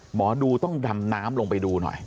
หมอดูต้องดำน้ำลงไปดูหน่อย